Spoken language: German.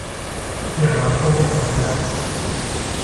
Hier waren Profis am Werk.